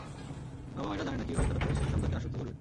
বাবা মায়েরা জানে না কীভাবে তারা তাদের শিশু সন্তানকে আশ্বস্ত করবে।